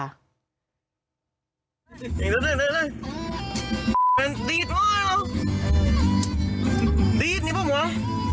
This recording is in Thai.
มันดีดมากหรอดีดนี่บ้างหรอ